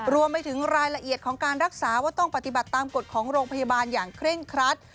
รวมไปถึงรายละเอียดของการรักษาว่าต้องปฏิบัติตามกฎของโรงพยาบาลอย่างเคร่งครัด